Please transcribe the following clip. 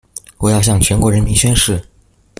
我要向全國人民宣示